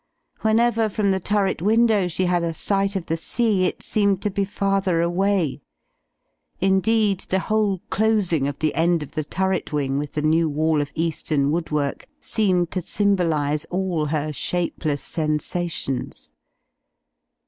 Whenever from the turret win dows she had a sight of the sea, it seemed to be farther away. Indeed, the whole closing of the end of the turret wing with the new wall of eastern woodwork seemed to symbolise all her shapeless sensations.